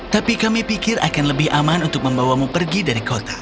tapi kami pikir akan lebih aman untuk membawamu pergi dari kota